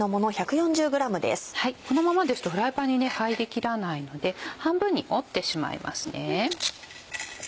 このままですとフライパンに入りきらないので半分に折ってしまいます。